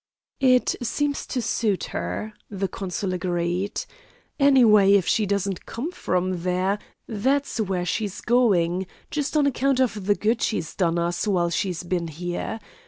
"It seems to suit her," the consul agreed. "Anyway, if she doesn't come from there, that's where she's going just on account of the good she's done us while she's been here.